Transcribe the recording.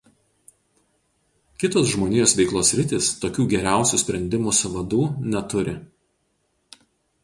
Kitos žmonijos veiklos sritys tokių „geriausių sprendimų“ sąvadų neturi.